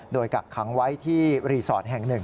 โดยกักขังไว้ที่รีสอร์ทแห่ง๑